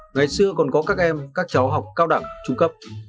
ngày xưa còn có các em các cháu học cao đẳng trung cấp